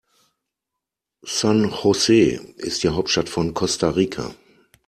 San José ist die Hauptstadt von Costa Rica.